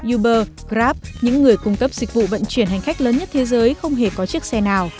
uber grab những người cung cấp dịch vụ vận chuyển hành khách lớn nhất thế giới không hề có chiếc xe nào